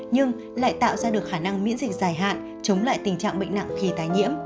nhưng lại tạo ra được khả năng miễn dịch dài hạn chống lại tình trạng bệnh nặng khi tái nhiễm